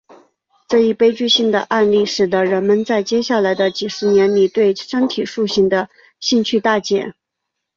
这一悲剧性的案例使得人们在接下来的几十年里对身体塑形的兴趣大减。